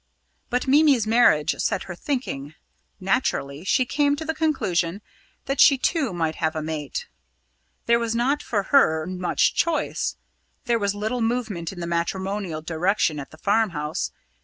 But Mimi's marriage set her thinking; naturally, she came to the conclusion that she too might have a mate. There was not for her much choice there was little movement in the matrimonial direction at the farmhouse.